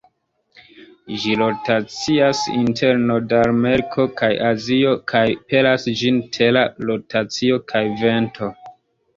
Ĝi rotacias inter Nord-Ameriko kaj Azio kaj pelas ĝin Tera rotacio kaj vento.